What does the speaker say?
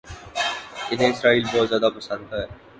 انہیں اسرائیل بہت زیادہ پسند ہے